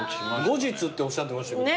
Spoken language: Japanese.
後日っておっしゃってましたけど。